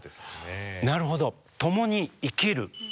なるほど。